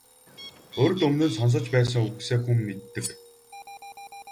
Урьд өмнө нь сонсож байсан үгсээ хүн мэддэг.